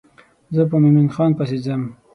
زه په مومن خان پسې ځم.